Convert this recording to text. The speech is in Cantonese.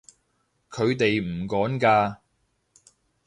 佢哋唔趕㗎